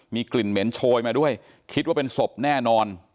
มีกลิ่นเหม็นโชยมาด้วยคิดว่าเป็นศพแน่นอน